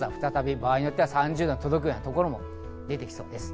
場合によっては３０度に届くところも出てきそうです。